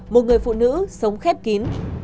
một người phụ nữ sống khép kín